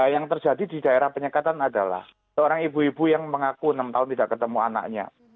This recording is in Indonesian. yang terjadi di daerah penyekatan adalah seorang ibu ibu yang mengaku enam tahun tidak ketemu anaknya